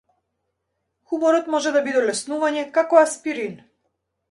Хуморот може да биде олеснување, како аспирин.